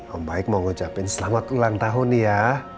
om baik mau ngucapin selamat ulang tahun ya